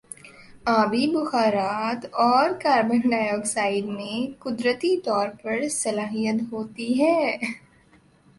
آبی بخارات اور کاربن ڈائی آکسائیڈ میں قدرتی طور پر صلاحیت ہوتی ہے